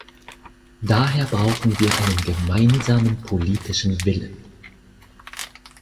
Daher brauchen wir einen gemeinsamen politischen Willen.